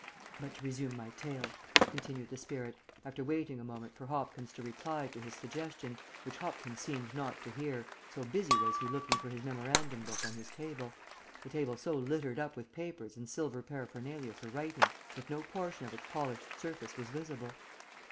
"But to resume my tale," continued the spirit, after waiting a moment for Hopkins to reply to his suggestion, which Hopkins seemed not to hear, so busy was he looking for his memorandum book on his table, a table so littered up with papers and silver paraphernalia for writing that no portion of its polished surface was visible.